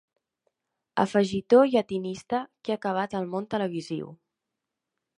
Afegitó llatinista que ha acabat al món televisiu.